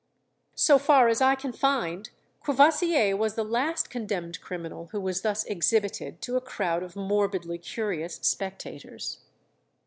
So far as I can find, Courvoisier was the last condemned criminal who was thus exhibited to a crowd of morbidly curious spectators.